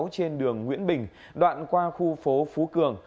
trên đường nguyễn bình đoạn qua khu phố phú cường